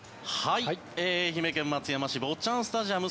愛媛県松山市坊っちゃんスタジアム